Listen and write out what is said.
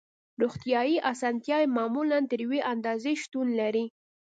روغتیایی اسانتیاوې معمولاً تر یوې اندازې شتون لري